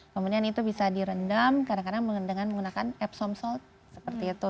kemudian itu bisa direndam kadang kadang dengan menggunakan epsom sold seperti itu